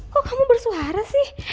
kok kamu bersuara sih